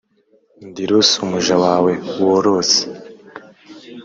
ndi rusi umuja wawe worose